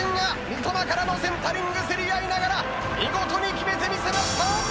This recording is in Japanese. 三笘からのセンタリング競り合いながら見事に決めてみせました！